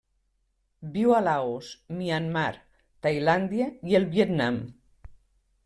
Viu a Laos, Myanmar, Tailàndia i el Vietnam.